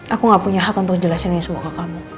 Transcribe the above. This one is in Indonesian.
aku gak punya hak untuk jelasin ini semua ke kamu